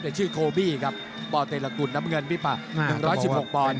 แต่ชื่อโคบี้ครับปเตรกุลน้ำเงินพี่ปะ๑๑๖ปอนด